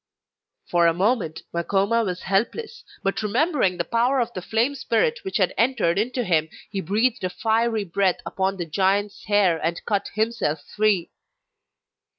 For a moment Makoma was helpless, but remembering the power of the flame spirit which had entered into him, he breathed a fiery breath upon the giant's hair and cut himself free.